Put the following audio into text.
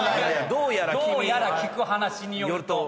どうやら聞く話によると。